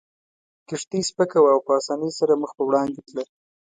کښتۍ سپکه وه او په اسانۍ سره مخ پر وړاندې تله.